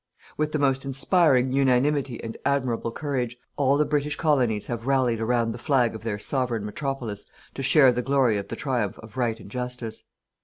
"With the most inspiring unanimity and admirable courage, all the British Colonies have rallied around the flag of their Sovereign Metropolis to share the glory of the triumph of Right and Justice.